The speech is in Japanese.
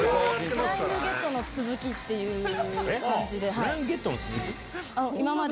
フライングゲットの続きっていう感じで。